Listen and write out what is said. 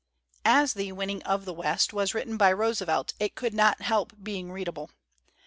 As the ' Winning of the West* was written by Roosevelt it could not help being readable.